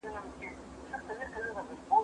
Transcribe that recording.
هغه وويل چي مڼې صحي دي!؟